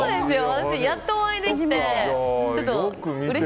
私、やっとお会いできて。